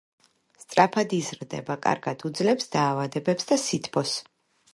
სწრაფად იზრდება, კარგად უძლებს დაავადებებს და სითბოს.